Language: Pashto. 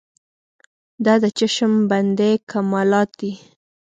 دا د چشم بندۍ کمالات دي.